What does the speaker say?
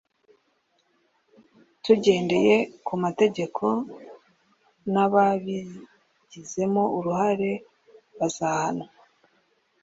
tugendeye kumategeko n’ababigizemo uruhare bazahanwa.